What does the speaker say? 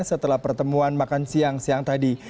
setelah pertemuan makan siang siang tadi